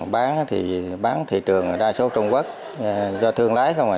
bán thì bán thị trường đa số trung quốc do thương lái không